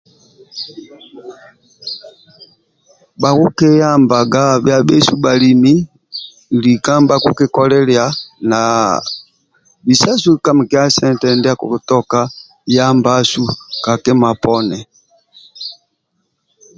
Bhakukiyamabaga bhia bhesu bhalimi lika nibhakukolilia na bisasu ka mikia sente ndia akikiyamba ka kima poni